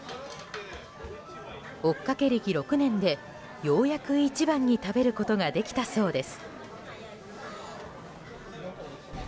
追っかけ歴６年でようやく１番に食べることができたそうです。